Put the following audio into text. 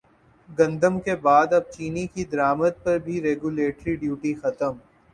گندم کے بعد اب چینی کی درامد پر بھی ریگولیٹری ڈیوٹی ختم